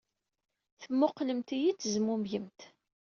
Temmuqqlemt-iyi-d, tezmumgemt.